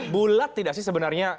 bulat tidak sih sebenarnya